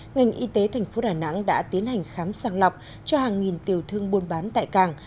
ngành y tế thành phố đà nẵng đã tiến hành khám sàng lọc cho hàng nghìn tiểu thương buôn bán tại cảng